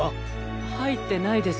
はいってないです。